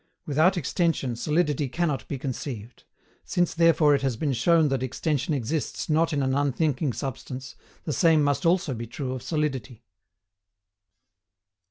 Without extension solidity cannot be conceived; since therefore it has been shown that extension exists not in an unthinking substance, the same must also be true of solidity.